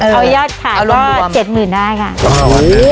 เออยอดขายเอาลงรวมเอาลงรวมเจ็ดหมื่นห้าค่ะอ๋อ